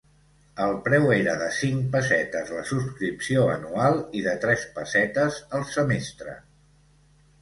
El preu era de cinc pessetes la subscripció anual i de tres pessetes el semestre.